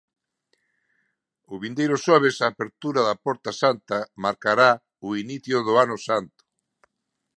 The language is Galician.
O vindeiro xoves a apertura da Porta Santa marcará o inicio do Ano Santo.